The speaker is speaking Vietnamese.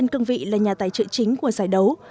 công vị là nhà tài trợ chính của giải đấu